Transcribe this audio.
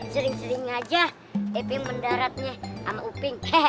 sering sering aja openg mendaratnya sama openg